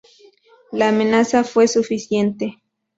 La amenaza fue suficiente.